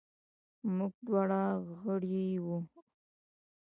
موږ دواړه غړي وو.